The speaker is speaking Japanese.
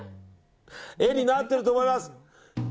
画になっていると思います。